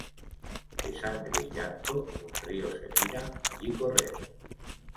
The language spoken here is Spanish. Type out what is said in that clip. de sangre y llanto un río se mira allí correr.